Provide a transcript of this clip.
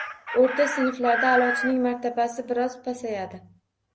O‘rta sinflarda aʼlochining martabasi bir oz pasayadi.